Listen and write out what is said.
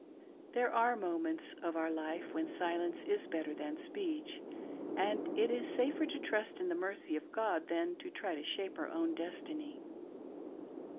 There are moments of our life when silence is better than speech, and it is safer to trust , in the mercy of 'God than try to shape our own destiny.